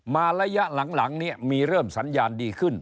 มาระยะหลังมีเริ่มสัญญาณดีขึ้น